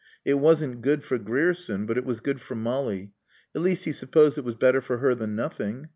It wasn't good for Grierson but it was good for Molly. At least, he supposed it was better for her than nothing.